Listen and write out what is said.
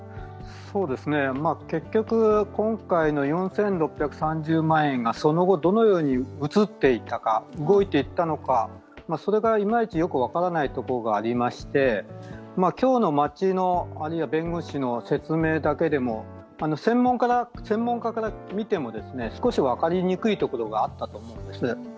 結局、今回の４６３０万円がその後どのように動いていったのか、それがいまいちよく分からないところがありまして今日の町の、あるいは弁護士の説明だけでも専門家から見ても少し分かりにくいところがあったと思うんです。